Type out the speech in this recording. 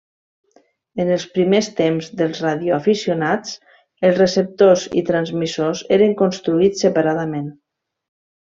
En els primers temps dels radioaficionats, els receptors i transmissors eren construïts separadament.